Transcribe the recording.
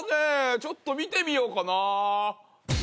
ちょっと見てみようかな。